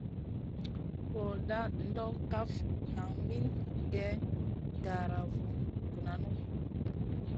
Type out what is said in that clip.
Bur NDA ndo kaf nan min gue gara vu nanu.